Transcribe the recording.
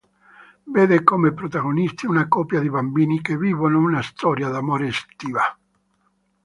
Vede come protagonisti una coppia di bambini che vivono una storia d'amore estiva.